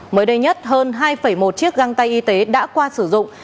mới đây nhất hơn hai một chiếc găng tay y tế đã qua sử dụng